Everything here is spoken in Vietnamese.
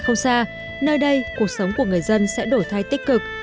không xa nơi đây cuộc sống của người dân sẽ đổi thay tích cực